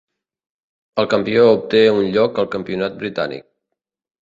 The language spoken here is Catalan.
El campió obté un lloc al Campionat britànic.